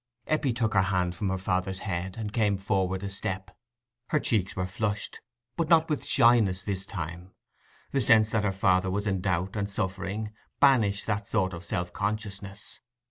Eppie took her hand from her father's head, and came forward a step. Her cheeks were flushed, but not with shyness this time: the sense that her father was in doubt and suffering banished that sort of self consciousness.